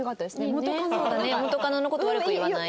元カノの事悪く言わない。